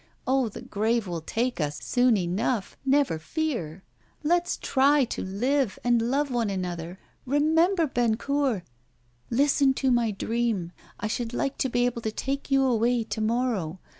Oh! the grave will take us soon enough, never fear. Let's try to live, and love one another. Remember Bennecourt! Listen to my dream. I should like to be able to take you away to morrow.